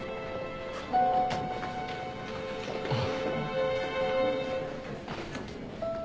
あっ。